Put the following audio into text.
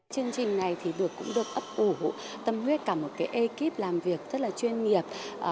chương trình này thì cũng được ấp ủ tâm huyết cả một cái ekip làm việc rất là chuyên nghiệp